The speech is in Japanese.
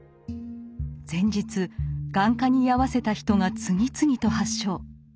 前日眼科に居合わせた人が次々と発症。